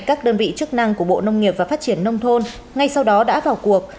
các đơn vị chức năng của bộ nông nghiệp và phát triển nông thôn ngay sau đó đã vào cuộc